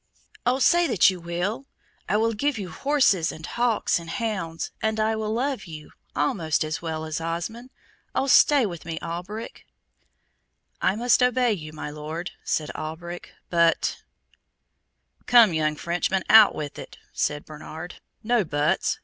"Oh, say that you will! I will give you horses, and hawks, and hounds, and I will love you almost as well as Osmond. Oh, stay with me, Alberic." "I must obey you, my Lord," said Alberic, "but " "Come, young Frenchman, out with it," said Bernard, "no buts!